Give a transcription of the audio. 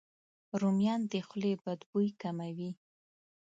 رومیان د خولې بد بوی کموي.